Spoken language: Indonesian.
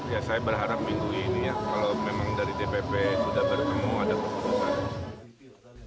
ya saya berharap minggu ini ya kalau memang dari dpp sudah bertemu ada keputusan